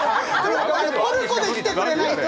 ポルコで来てくれないと。